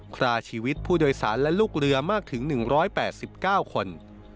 คราชีวิตผู้โดยสารและลูกเรือมากถึง๑๘๙คน